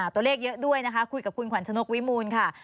ตัวเลขเยอะด้วยนะคะคุยกับคุณขวัญชนกวิมูลค่ะ